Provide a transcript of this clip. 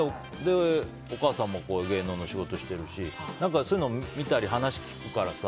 お母さんも芸能の仕事してるしそういうのを見たり話を聞くからさ。